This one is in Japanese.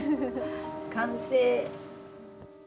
完成。